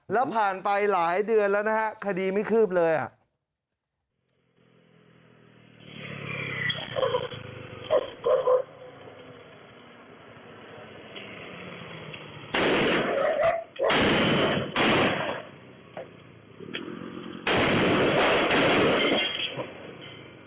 แล้วผ่านไปหลายเดือนแล้วนะฮะคดีไม่คืบเลยอ่ะ